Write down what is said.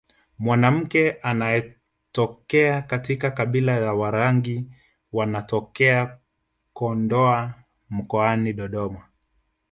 Mwanamke anayetokea katika kabila la Warangi wanaotokea Kondoa mkoani Dodoma